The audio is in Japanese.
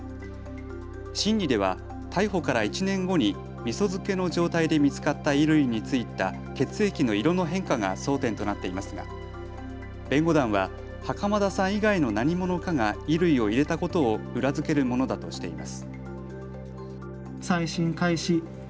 審理では逮捕から１年後にみそ漬けの状態で見つかった衣類に付いた血液の色の変化が争点となっていますが弁護団は袴田さん以外の何者かが衣類を入れたことを裏付けるものだとしています。